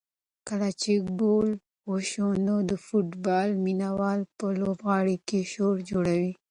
کله چې ګول وشي نو د فوټبال مینه وال په لوبغالي کې شور جوړوي.